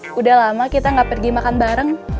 sudah lama kita gak pergi makan bareng